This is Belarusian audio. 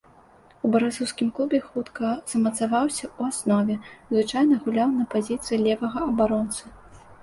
У барысаўскім клубе хутка замацаваўся ў аснове, звычайна гуляў на пазіцыі левага абаронцы.